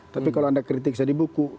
tapi kalau anda kritik saya di buku